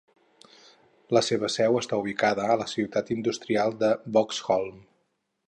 La seva seu està ubicada a la ciutat industrial de Boxholm.